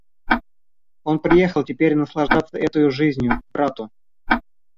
Он приехал теперь наслаждаться этою жизнию к брату.